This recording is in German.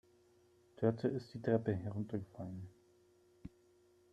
Dörte ist die Treppe heruntergefallen.